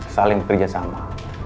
saling bekerja sama